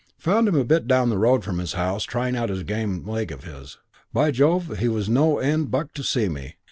Found him a bit down the road from his house trying out this game leg of his. By Jove, he was no end bucked to see me.